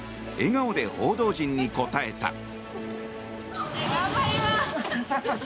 笑顔で報道陣に応えた。